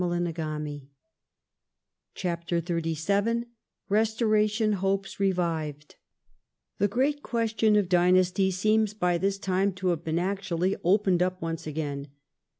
331 CHAPTEE XXXVII RESTORATION HOPES REVIVED The great question of dynasty seems by this time to have been actually opened up once again.